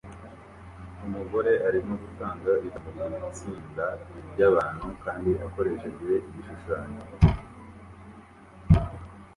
Umugore arimo gutanga ijambo kubitsinda ryabantu kandi akoresha igishushanyo